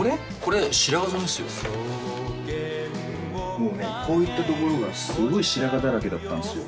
もうねこういったところがすごい白髪だらけだったんですよ